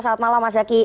selamat malam mas zaki